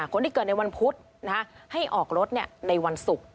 คนที่เกิดในวันพุธให้ออกรถในวันศุกร์